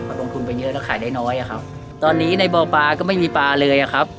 ลงทุนไปเยอะแล้วขายได้น้อยอะครับตอนนี้ในบ่อปลาก็ไม่มีปลาเลยอะครับ